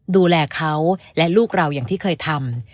ดูแลเขาและลูกเราอย่างที่เคยทำ